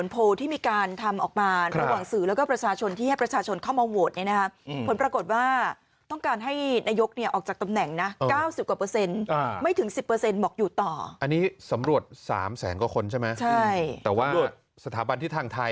ประยุทธ์